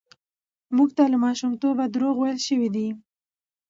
موږ ته له ماشومتوبه دروغ ويل شوي دي.